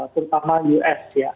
terutama us ya